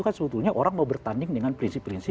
kan sebetulnya orang mau bertanding dengan prinsip prinsip